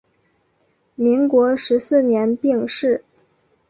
民国十四年病逝。